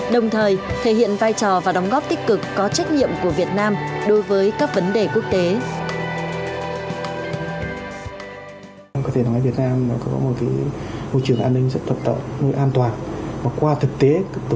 đồng thời thể hiện vai trò và đóng góp tích cực có trách nhiệm của việt nam đối với các vấn đề quốc tế